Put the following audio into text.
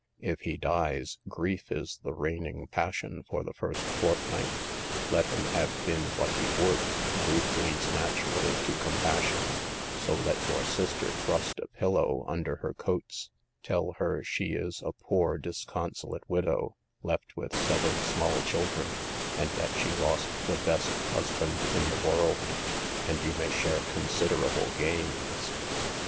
If he dies, grief is the reigning passion for the first fortnight, let him have been what he would: grief leads naturally to compassion, so let your sister thrust a pillow under her coats, tell her she is a poor disconsolate widow, left with seven small children, and that she lost the best husband in the world; and you may share considerable gains.